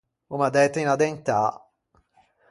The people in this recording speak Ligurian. O m’à dæto unna dentâ.